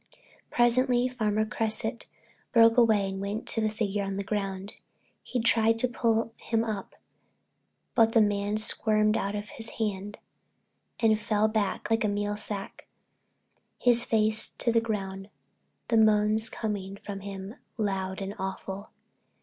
Presently Farmer Cresset broke away and went to the figure on the ground. He tried to pull him up, but the man squirmed out of his hand and fell back like a meal sack, his face to the earth, the moans coming from him loud and awful.